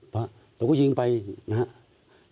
เพราะเราก็ยิงไปนะครับ